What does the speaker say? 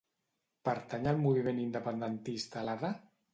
Pertany al moviment independentista l'Ada?